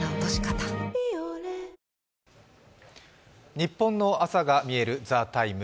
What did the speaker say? ニッポンの朝がみえる「ＴＨＥＴＩＭＥ，」